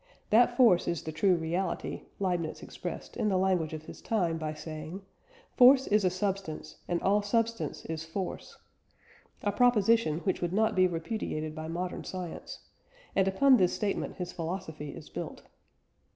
That force is the true reality, Leibniz expressed in the language of his time by saying, "Force is substance, and all substance is force" a proposition which would not be repudiated by modern science and upon this statement his philosophy is built.